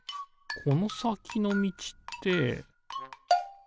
このさきのみちってピッ！